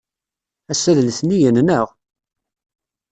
Ass-a d letniyen, naɣ?